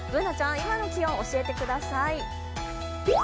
Ｂｏｏｎａちゃん、今の気温教えてください。